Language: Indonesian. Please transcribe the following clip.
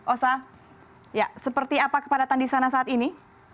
ossa seperti apa kepadatan disana saat ini